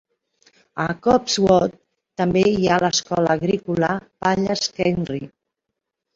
A Copsewood també hi ha l'Escola Agrícola Pallaskenry.